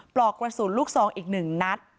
ปลอกกระสุนลูกซองอีก๑นัด